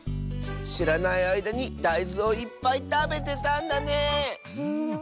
しらないあいだにだいずをいっぱいたべてたんだねえ！